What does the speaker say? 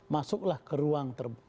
masuklah ke ruang